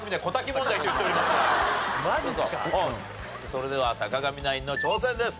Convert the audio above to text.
それでは坂上ナインの挑戦です。